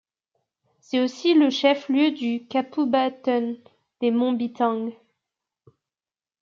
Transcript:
C'est aussi le chef-lieu du kabupaten des Monts Bintang.